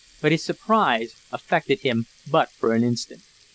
But his surprise affected him but for an instant.